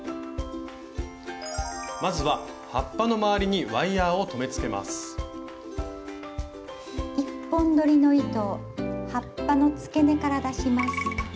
まずは葉っぱの周りに１本どりの糸を葉っぱのつけ根から出します。